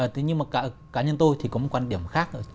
thế nhưng mà cả cá nhân tôi thì có một quan điểm khác